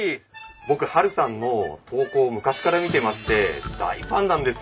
僕ハルさんの投稿を昔から見てまして大ファンなんですよ。